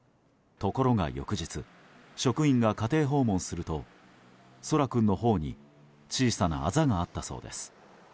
ところが、翌日職員が家庭訪問すると空来君の頬に小さなあざがあったそうです。